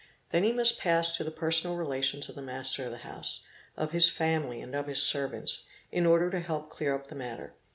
then he must pass to the personal relations of the master of the house, of his family, and of his servants, in order to —| help to clear up the matter.